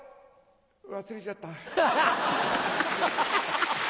忘れちゃった。